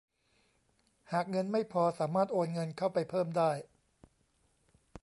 หากเงินไม่พอสามารถโอนเงินเข้าไปเพิ่มได้